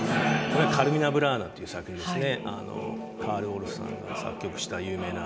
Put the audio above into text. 「カルミナ・ブラーナ」という作品ですね。